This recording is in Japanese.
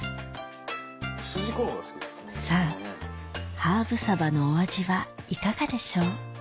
ハーブのお味はいかがでしょう？